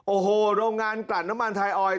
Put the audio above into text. โอ้โหโรงงานกลัดน้ำมันไทออย